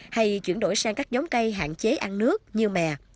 hay chuyển đổi sang các giống cây hạn chế ăn nước như mè